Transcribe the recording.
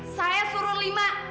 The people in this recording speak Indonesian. saya suruh lima